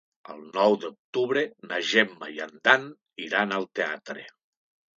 El nou d'octubre na Gemma i en Dan iran al teatre.